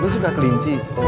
lu suka kelinci